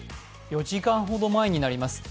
４時間ほど前になります。